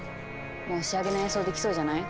もう仕上げの演奏できそうじゃない？